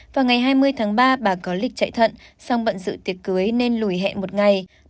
vào ngày hai mươi tháng ba bà có lịch chạy thận song bận dự tiệc cưới nên lùi hẹn một ngày